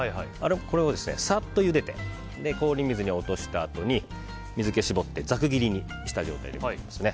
これをさっとゆでて氷水に落としたあとに水気を絞ってざく切りにした状態ですね。